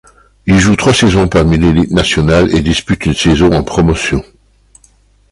Il joue trois saisons parmi l'élite nationale et dispute une saison en Promotion.